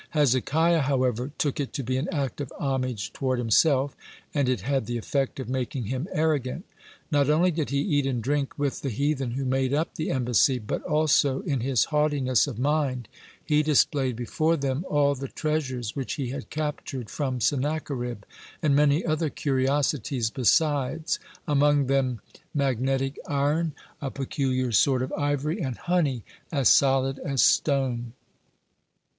Hezekiah, however, took it to be an act of homage toward himself, and it had the effect of making him arrogant. Not only did he eat and drink with the heathen who made up the embassy, but also, in his haughtiness of mind, he displayed before them all the treasures which he had captured from Sennacherib, and many other curiosities besides, among them magnetic iron, a peculiar sort of ivory, and honey as solid as stone.